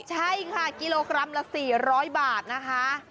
ใช่ค่ะกิโลกรัมละ๔๐๐บาทนะคะ